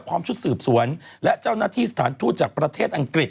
ชุดสืบสวนและเจ้าหน้าที่สถานทูตจากประเทศอังกฤษ